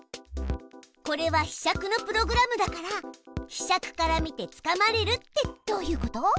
これはひしゃくのプログラムだからひしゃくから見てつかまれるってどういうこと？